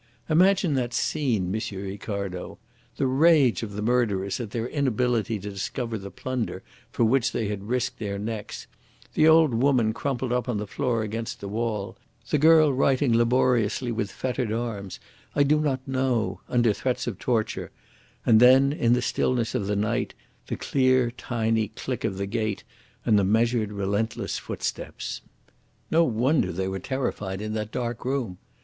Imagine that scene, M. Ricardo. The rage of the murderers at their inability to discover the plunder for which they had risked their necks, the old woman crumpled up on the floor against the wall, the girl writing laboriously with fettered arms 'I do not know' under threats of torture, and then in the stillness of the night the clear, tiny click of the gate and the measured, relentless footsteps. No wonder they were terrified in that dark room.